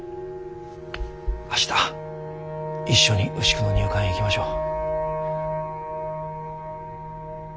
明日一緒に牛久の入管へ行きましょう。